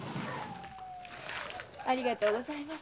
ありがとうございます。